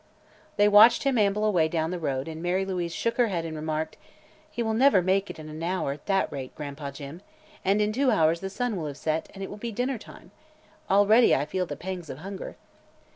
They watched him amble away down the road and Mary Louise shook her head and remarked: "He will never make it in an hour, at that rate, Gran'pa Jim, and in two hours the sun will have set and it will be dinner time. Already I feel the pangs of hunger."